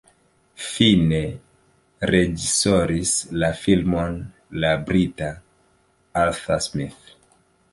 Fine reĝisoris la filmon la brita Arthur Smith.